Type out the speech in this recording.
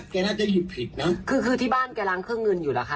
น่าจะหยิบผิดนะคือคือที่บ้านแกล้างเครื่องเงินอยู่แล้วค่ะ